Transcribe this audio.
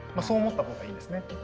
そう思ったほうがいいんですね。